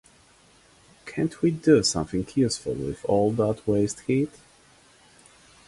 Can't we do something useful with all that waste heat?